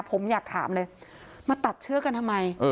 ผมอยากถามเลยมาตัดเชือกกันทำไม